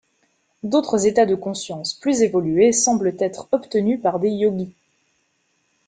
D'autres états de conscience plus évolués semblent être obtenus par des yogis.